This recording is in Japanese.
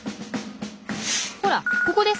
ほらここです！